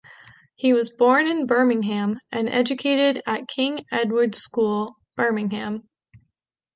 He was born in Birmingham, and educated at King Edward's School, Birmingham.